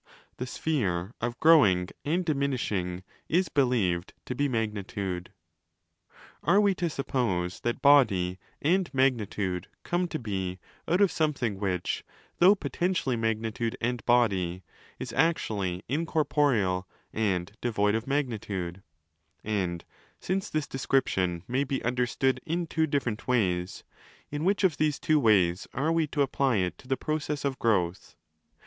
The' sphere' of growing and diminishing is believed to be magnitude. Are we to 1 Cf. above, 315% 26 28. 320° 30 320° 5 DE GENERATIONE ET CORRUPTIONE suppose that body and magnitude come to be out of some thing which, though potentially magnitude and body, is actually incorporeal and devoid of magnitude? And since this description may be understood in two different: ways, in which of these two ways are we to apply it to the process of growth?